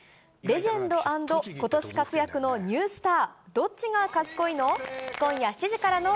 レジェンド＆ことし活躍のニュースター、どっちが賢いの？